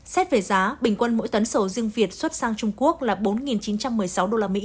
xét về giá bình quân mỗi tấn sầu riêng việt xuất sang trung quốc là bốn chín trăm một mươi sáu usd